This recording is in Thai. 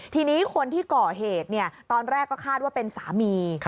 ทีนี้คนที่ก่อเหตุตอนแรกก็คาดว่าเป็นสามี